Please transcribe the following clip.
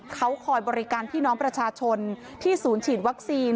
เขาคอยบริการพี่น้องประชาชนที่ศูนย์ฉีดวัคซีน